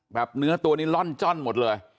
เนื้อตัวนี้ล่อนจ้อนหมดเลย